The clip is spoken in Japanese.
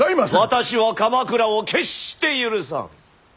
私は鎌倉を決して許さん。